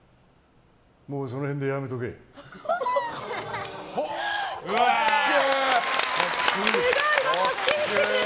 もうその辺でやめとけ。かっけえ。